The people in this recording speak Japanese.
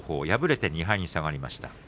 敗れて２敗に下がりました